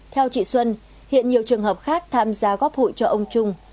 theo chị xuân hiện nhiều trường hợp khác tham gia góp hụi cho ông trung